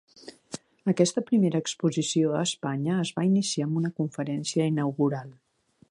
Aquesta primera exposició a Espanya es va iniciar amb una conferència inaugural.